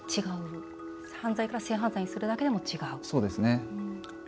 犯罪から性犯罪にするだけでも違うんですね。